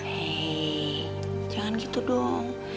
hei jangan gitu dong